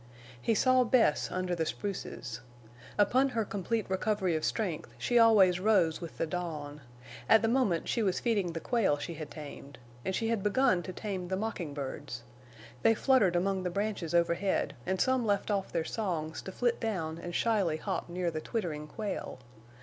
He saw Bess under the spruces. Upon her complete recovery of strength she always rose with the dawn. At the moment she was feeding the quail she had tamed. And she had begun to tame the mocking birds. They fluttered among the branches overhead and some left off their songs to flit down and shyly hop near the twittering quail.